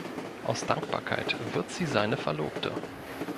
Aus Dankbarkeit wird sie seine Verlobte.